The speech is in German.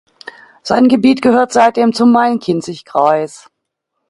Sein Gebiet gehört seitdem zum Main-Kinzig-Kreis.